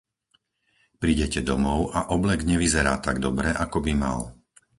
Prídete domov a oblek nevyzerá tak dobre, ako by mal.